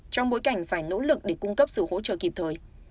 trong bối cảnh phải nỗ lực để cung cấp sự hỗ trợ kịp thời